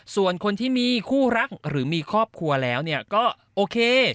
ส่วนคนที่มีคู่รักหรือมีครอบครัวแล้วก็โอเค